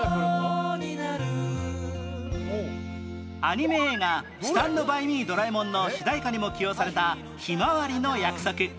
アニメ映画『ＳＴＡＮＤＢＹＭＥ ドラえもん』の主題歌にも起用された『ひまわりの約束』